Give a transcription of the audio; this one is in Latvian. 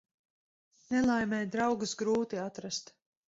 Nelaimē draugus grūti atrast.